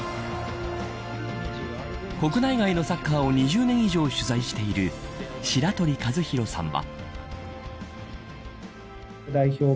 国内外のサッカーを２０年以上取材している白鳥和洋さんは。